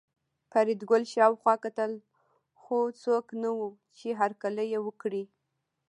فریدګل شاوخوا کتل خو څوک نه وو چې هرکلی یې وکړي